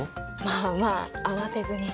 まあまあ慌てずに。